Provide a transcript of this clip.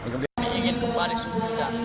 kami ingin kembali sempurna